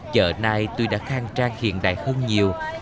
chợ nay tuy đã khang trang hiện đại hơn nhiều